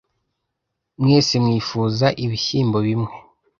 Mwese mwifuza ibishyimbo bimwe?